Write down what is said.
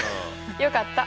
よかった。